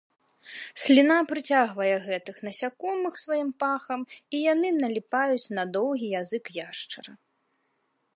Сліна прыцягвае гэтых насякомых сваім пахам, і яны наліпаюць на доўгі язык яшчара.